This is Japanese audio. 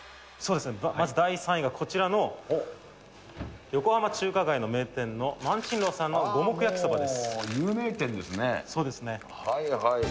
まず第３位がこちらの横浜中華街の名店の萬珍樓さんの五目焼きそばです。